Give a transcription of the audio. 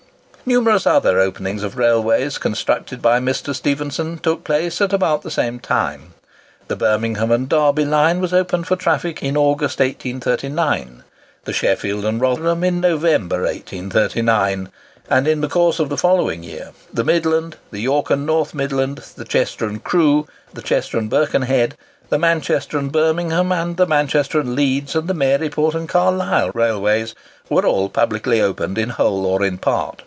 Numerous other openings of railways constructed by Mr. Stephenson took place about the same time. The Birmingham and Derby line was opened for traffic in August, 1839; the Sheffield and Rotherham in November, 1839; and in the course of the following year, the Midland, the York and North Midland, the Chester and Crewe, the Chester and Birkenhead, the Manchester and Birmingham, the Manchester and Leeds, and the Maryport and Carlisle railways, were all publicly opened in whole or in part.